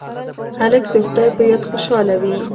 هلک د خدای په یاد خوشحاله وي.